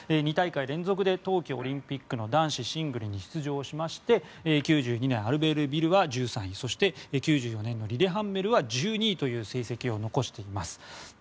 ２大会連続で冬季オリンピックの男子シングルに出場しまして９２年アルベールビルは１３位９４年のリレハンメルは１２位という成績を残しています。